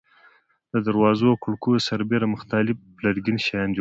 د دروازو او کړکیو سربېره مختلف لرګین شیان جوړوي.